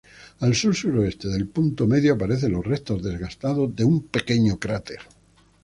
Al sur-sureste del punto medio aparecen los restos desgastados de un pequeño cráter.